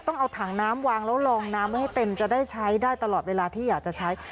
ต้องเอาถังน้ำวางแล้วลองน้ำไว้ให้เต็มจะได้ใช้ได้ตลอดเวลาที่อยากจะใช้